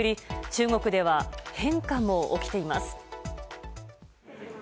中国では変化も起きています。